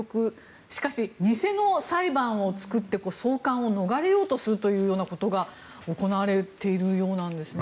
しかし、偽の裁判を作って送還を逃れようとするということが行われているようなんですね。